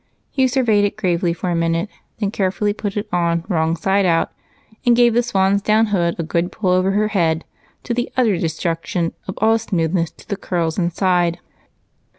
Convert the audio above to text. He surveyed it gravely for a minute, then carefully put it on wrong side out and gave the swan's down hood a good pull over the head, to the utter destruction of all smoothness to the curls inside.